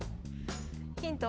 ヒントは。